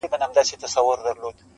چي په نوم به د اسلام پورته کېدلې -